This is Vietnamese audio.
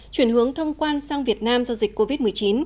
chuyển hướng thông quan sang việt nam do dịch covid một mươi chín